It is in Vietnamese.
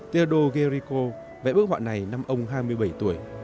theodo guerrizo vẽ bức họa này năm ông hai mươi bảy tuổi